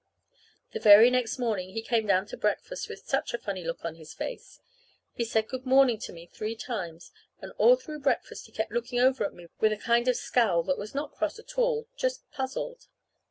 The very next morning he came down to breakfast with such a funny look on his face. He said good morning to me three times, and all through breakfast he kept looking over at me with a kind of scowl that was not cross at all just puzzled.